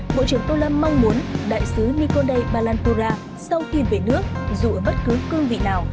bộ trưởng tô lâm mong muốn đại sứ nikonde balancura sau khi về nước dù ở bất cứ cương vị nào